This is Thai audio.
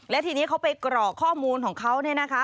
และทีนี้เขาไปกรอกข้อมูลของเขาเนี่ยนะคะ